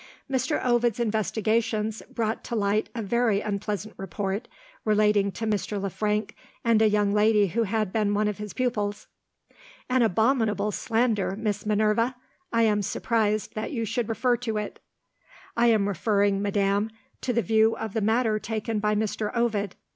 Mr. Ovid's investigations brought to light a very unpleasant report, relating to Mr. Le Frank and a young lady who had been one of his pupils." "An abominable slander, Miss Minerva! I am surprised that you should refer to it." "I am referring, madam, to the view of the matter taken by Mr. Ovid.